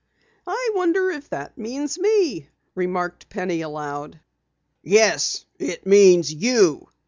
"I wonder if that means me?" remarked Penny aloud. "Yes, it means you!"